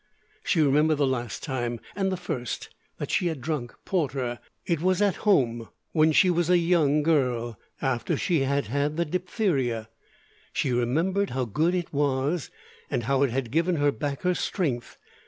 She remembered the last time and the first that she had drunk porter. It was at home, when she was a young girl, after she had the diphtheria. She remembered how good it was, and how it had given her back her strength.